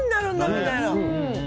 みたいな。